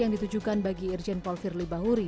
yang ditujukan bagi irjen paul firly bahuri